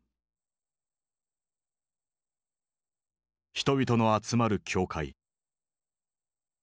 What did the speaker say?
人々の集まる教会。